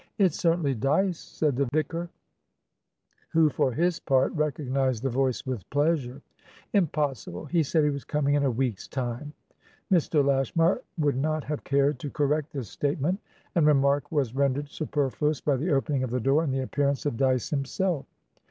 "It's certainly Dyce," said the vicar, who for his part, recognized the voice with pleasure. "Impossible! He said he was coming in a week's time." Mr. Lashmar would not have cared to correct this statement, and remark was rendered superfluous by the opening of the door and the appearance of Dyce himself.